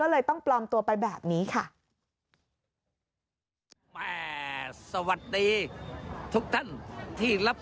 เซลฟี่สิครับ